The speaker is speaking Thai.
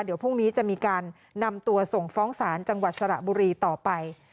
เดี๋ยวพรุ่งนี้จะมีการนำตัวส่งฟ้องศาลจังหวัดสระบุรีต่อไป